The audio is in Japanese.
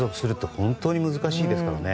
本当に難しいですからね。